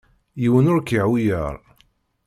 Yiwen ur k-iεuyer.